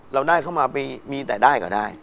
เราได้เข้ามาไปมีแต่ได้ก็ได้